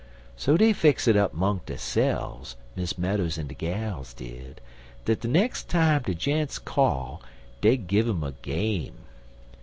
So dey fix it up 'mong deyse'f, Miss Meadows en de gals did, dat de nex' time de gents call dey'd gin um a game.